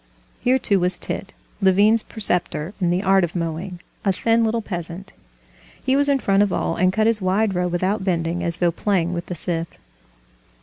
Here, too, was Tit, Levin's preceptor in the art of mowing, a thin little peasant. He was in front of all, and cut his wide row without bending, as though playing with the scythe.